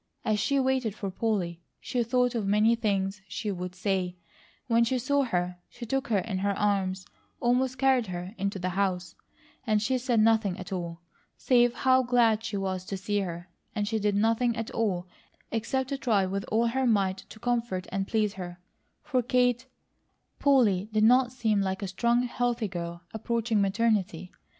As she waited for Polly she thought of many things she would say; when she saw her, she took her in her arms and almost carried her into the house, and she said nothing at all, save how glad she was to see her, and she did nothing at all, except to try with all her might to comfort and please her, for to Kate, Polly did not seem like a strong, healthy girl approaching maternity.